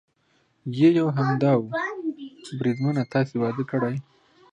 یې یو همدا و، بریدمنه تاسې واده کړی؟